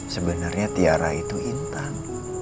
sebenernya tiara itu intan